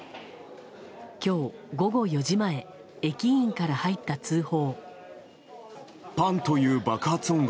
今日午後４時前駅員から入った通報。